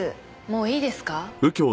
もういいですか？